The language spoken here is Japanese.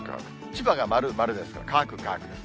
千葉が丸、丸ですから乾く、乾くです。